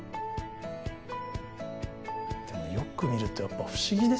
でもよく見るとやっぱ不思議ですよね。